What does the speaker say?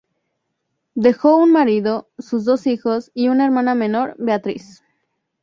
Dejó un marido, sus dos hijos y una hermana menor, Beatrice.